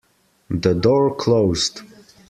The door closed.